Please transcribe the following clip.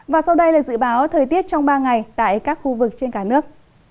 và sau đây là dự báo thời tiết trong ba ngày tại các khu vực trên cả nước